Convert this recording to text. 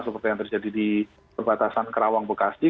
seperti yang terjadi di perbatasan kerawang bekasi